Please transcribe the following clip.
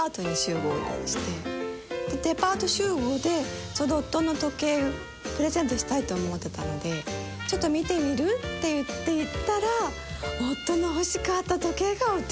デパート集合でその夫の時計プレゼントしたいと思ってたので「ちょっと見てみる？」って言って行ったら。